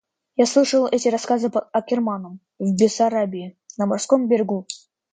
Я слышал эти рассказы под Аккерманом, в Бессарабии, на морском берегу.